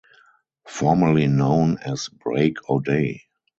Formerly known as Break O'Day.